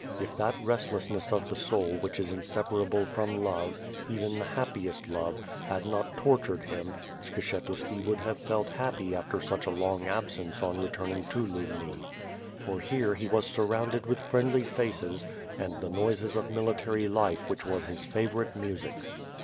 H that restlessness of the soul which is inseparable from love, even the happiest love, had not tor 'tured him, Skshetuski would have felt happy after such a long absence on returning to Lubni; for here he was sur rounded with friendly faces and the noises of military life which was his favorite music.